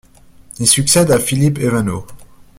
Il succède à Philippe Evanno.